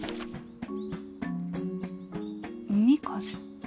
海風。